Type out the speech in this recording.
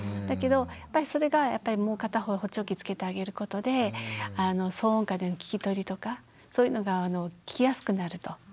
だけどやっぱりそれがもう片方補聴器つけてあげることで騒音下での聞き取りとかそういうのが聞きやすくなると。